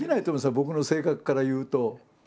僕の性格からいうと。